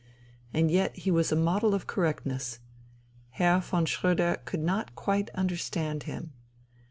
And yet he was a model of correctness. Herr von Schröder could not quite understand him.